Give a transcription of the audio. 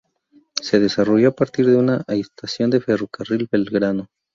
Se desarrolló a partir de una estación del ferrocarril Belgrano.